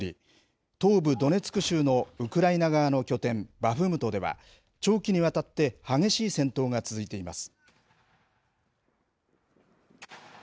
東部ドネツク州のウクライナ側の拠点、バフムトでは、長期にわたって激しい戦闘が続いています。